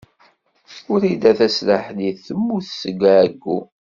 Wrida Tasaḥlit temmut seg ɛeyyu.